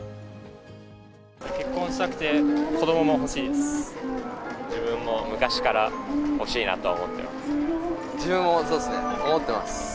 結婚したくて、子どもも欲し自分も昔から欲しいなと思っ自分も、そうですね、思ってます。